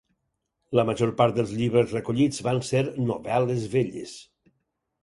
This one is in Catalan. La major part dels llibres recollits van ser novel·les velles.